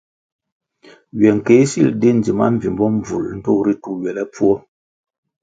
Ywe nkéh sil di ndzima mbvimbo mbvul ndtoh ritu ywelepfuo.